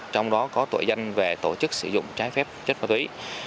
trong đó có tội danh về tổ chức sử dụng trái phép chất ma túy